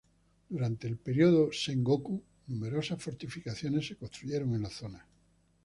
Durante la periodo Sengoku, numerosas fortificaciones se construyeron en la zona.